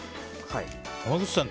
濱口さん